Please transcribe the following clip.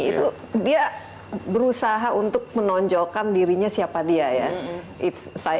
itu dia berusaha untuk menonjolkan dirinya siapa dia ya